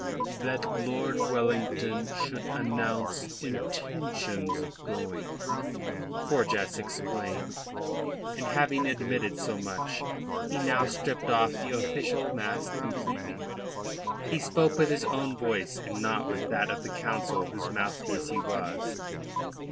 "That Lord Wellington should announce intentions of going," Forjas explained. And having admitted so much, he now stripped off the official mask completely. He spoke with his own voice and not with that of the Council whose mouthpiece he was.